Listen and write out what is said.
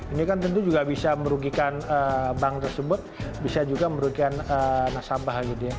ini kan tentu juga bisa merugikan bank tersebut bisa juga merugikan nasabah gitu ya